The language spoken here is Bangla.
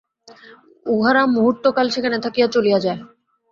উহারা মুহূর্তকাল সেখানে থাকিয়া চলিয়া যায়।